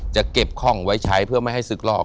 จะเก็บคล่องไว้ใช้เพื่อไม่ให้ศึกลอก